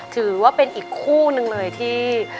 ถือว่าเป็นอีกคู่หนึ่งเลยที่